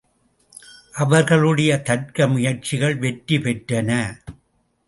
அவர்களுடைய தர்க்க முயற்சிகள் வெற்றி பெற்றன.